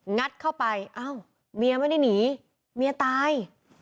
งัดเข้าไปเอ้าเมียไม่ได้หนีเมียตาย